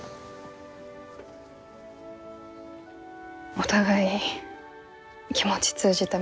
お互い気持ち通じたみたい。